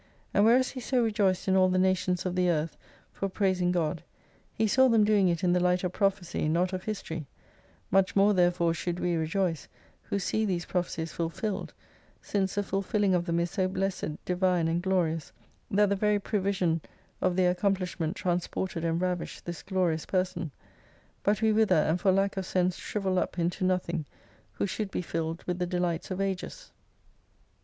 And whereas he so rejoiced in all the nations of the earth for praising God, he saw them doing it in the light of prophesy, rot of history : Much more therefore should we rejoice, who see these prophecies fulfilled, since the fulfilling of them is so blessed, divine, and glorious, that the very prevision of their accomplishment transported and ravished this glorious person. But we wither and for lack of sense shrivel up into nothing, who should be filled with the delights of ages.